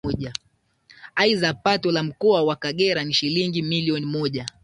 Aidha Pato la Mkoa wa Kagera ni Shilingi milioni moja